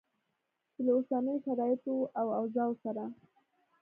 چې له اوسنیو شرایطو او اوضاع سره